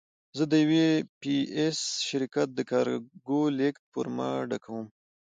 زه د یو پي ایس شرکت د کارګو لېږد فورمه ډکوم.